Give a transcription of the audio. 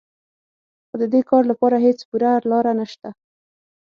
خو د دې کار لپاره هېڅ پوره لاره نهشته